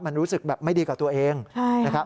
มันรู้สึกแบบไม่ดีกับตัวเองนะครับ